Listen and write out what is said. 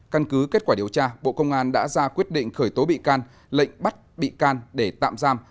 căn cứ kết quả điều tra bộ công an đã ra quyết định khởi tố bị can lệnh bắt bị can để tạm giam